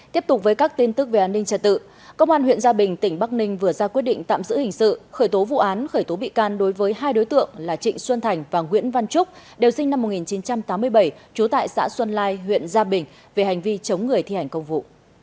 tiếp tục với các tin tức về an ninh trật tự công an huyện gia bình tỉnh bắc ninh vừa ra quyết định tạm giữ hình sự khởi tố vụ án khởi tố bị can đối với hai đối tượng là trịnh xuân thành và nguyễn văn trúc đều sinh năm một nghìn chín trăm tám mươi bảy trú tại xã xuân lai huyện gia bình về hành vi chống người thi hành công vụ